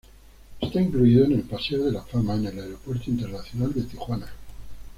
Está incluido en el paseo de la fama en el Aeropuerto Internacional de Tijuana.